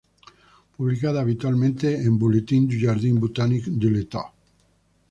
Publicaba habitualmente en Bulletin du Jardin Botanique de l'État.